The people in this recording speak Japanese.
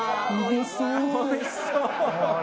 おいしそう。